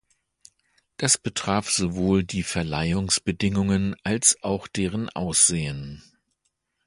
Das betraf sowohl die Verleihungsbedingungen als auch deren Aussehen.